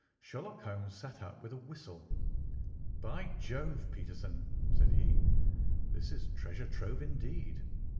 Sherlock Holmes sat up with a whistle. "By Jove, Peterson!" said he, "this is treasure trove indeed.